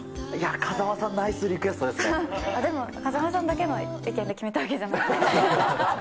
風間さん、ナイスリでも風間さんだけの意見で決めたわけじゃないんで。